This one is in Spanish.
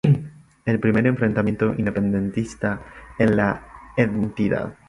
El primer enfrentamiento independentista en la entidad.